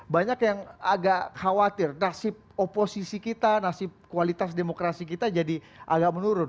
banyak yang agak khawatir nasib oposisi kita nasib kualitas demokrasi kita jadi agak menurun